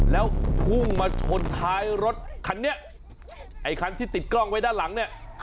แล้วพุ่งมาชนท้ายรถคันนี้ไอ้คันที่ติดกล้องไว้ด้านหลังเนี่ย